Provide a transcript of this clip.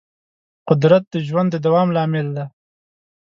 قدرت د ژوند د دوام لامل دی.